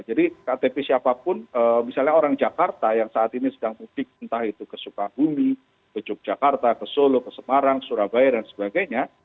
jadi ktp siapapun misalnya orang jakarta yang saat ini sedang mudik entah itu ke sukabumi ke yogyakarta ke solo ke semarang surabaya dan sebagainya